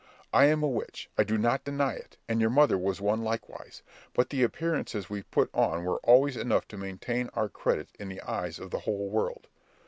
I am a witch, I do not deny it, and your mother was one likewise; but the appearances we put on were always enough to maintain our credit in the eyes of the whole world.